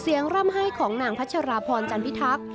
เสียงร่ำไห้ของนางพัชราพรจันทริทัก